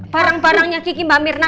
parang parangnya kiki pak mirna